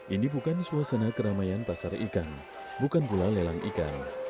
ini bukan suasana keramaian pasar ikan bukan pula lelang ikan